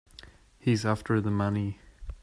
He's after the money.